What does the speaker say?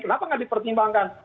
kenapa nggak dipertimbangkan